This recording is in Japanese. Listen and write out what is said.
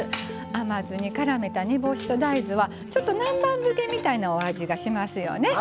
甘酢にからめた煮干しと大豆はちょっと南蛮漬けみたいなお味がしますよね。